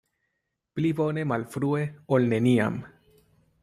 Pli bone malfrue, ol neniam.